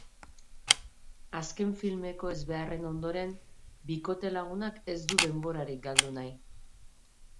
Azken filmeko ezbeharren ondoren, bikote-lagunak ez du denborarik galdu nahi.